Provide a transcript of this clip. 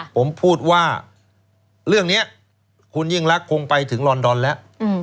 ผมพูดว่าเรื่องนี้คุณยิ่งรักคงไปถึงลอนดอนแล้ว